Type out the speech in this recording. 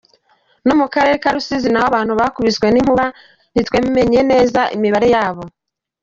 No mu karere ka Rusizi naho abantu bakubiswe n’inkuba ntitwamenye neza imibare yabo.